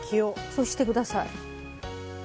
そうして下さい。